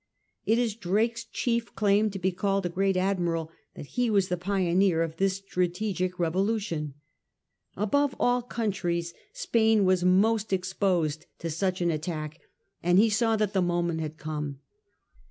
It is Drake's chief claim to be called a great admiral, that he was the pioneer of this strategic revolu tion. Above all countries Spain was most exposed to such an attack, and he saw that the moment had come.